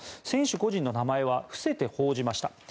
選手個人の名前は伏せて報じました。